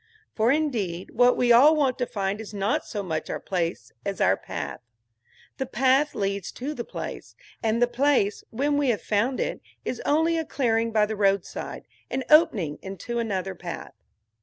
For indeed, what we all want to find is not so much our place as our path. The path leads to the place, and the place, when we have found it, is only a clearing by the roadside, an opening into another path.